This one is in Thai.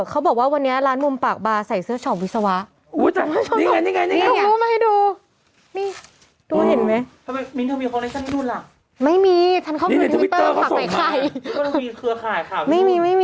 เขาบอกว่าวันนี้ร้านมุมปากบาร์ใส่เสื้อช็อปวิศวะ